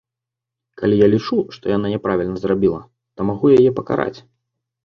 Калі я лічу, што яна няправільна зрабіла, то магу яе пакараць.